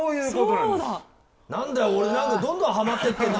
なんだよ俺どんどんハマってってるな！